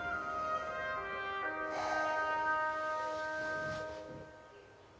はあ。